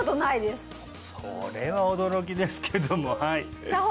それは驚きですけどもはいさあ